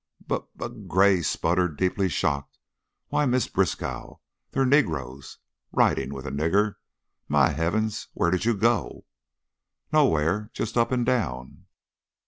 "B but " Gray sputtered, deeply shocked. "Why, Miss Briskow, they're negroes! Riding with a nigger! My heavens! Where did you go?" "Nowhere. Just up and down."